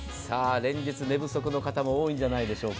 連日寝不足の方も多いんじゃないでしょうか。